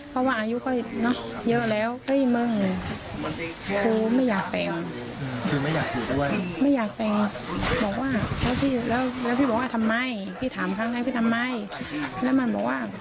เพราะว่าอายุก็เยอะแล้วเฮ้ยมึงครูไม่อยากแต่ง